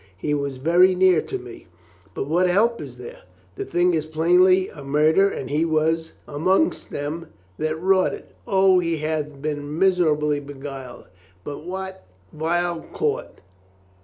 He was very near to me. But what help is there? The thing is plainly a murder and he was among 412 COLONEL GREATHEART them that wrought it. O, he hath been miserably beguiled by that vile court.